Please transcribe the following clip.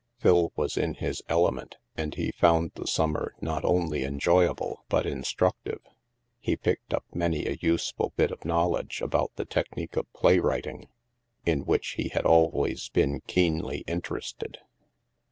Phil was in his element, and he found the summer not only enjoyable but instructive. He picked up many a useful bit of knowledge about the technique of play writing, in which he had always been keenly inter ested.